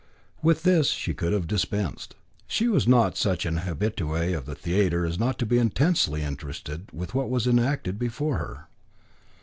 With this she could have dispensed. She was not such an habituée of the theatre as not to be intensely interested with what was enacted before her.